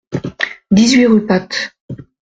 dix-huit rue Path